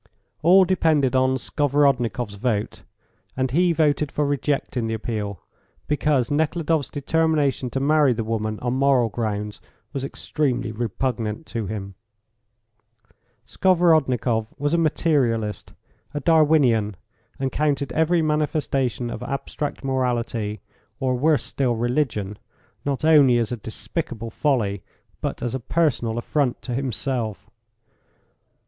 All depended on Skovorodnikoff's vote, and he voted for rejecting the appeal, because Nekhludoff's determination to marry the woman on moral grounds was extremely repugnant to him. Skovorodnikoff was a materialist, a Darwinian, and counted every manifestation of abstract morality, or, worse still, religion, not only as a despicable folly, but as a personal affront to himself.